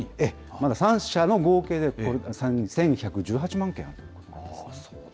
まだ３社の合計で１１１８万件ということですね。